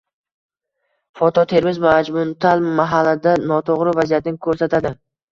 Foto Termiz Majnuntal mahallada noto'g'ri vaziyatni ko'rsatadi